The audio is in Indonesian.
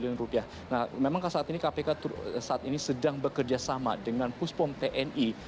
nah memang saat ini kpk sedang bekerja sama dengan pusbom tni